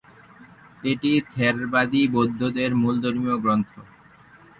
এটি থেরবাদী বৌদ্ধদের মূল ধর্মীয় গ্রন্থ।